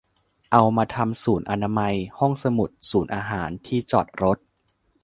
เอามาทำศูนย์อนามัย ห้องสมุด ศูนย์อาหาร ที่จอดรถ